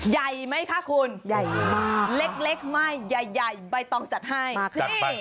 ใหญ่ไหมคะคุณใหญ่มากเล็กไม่ใหญ่ใหญ่ใบตองจัดให้นี่